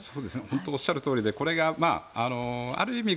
本当におっしゃるとおりでこれがある意味